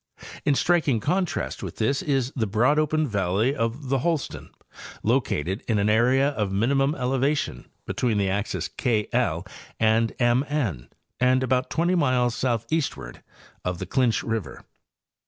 In striking contrast with this is the broad open valley of the Holston, located in an area of minimum elevation between the axes K Land M N and about twenty miles southeastward of the Clinch river.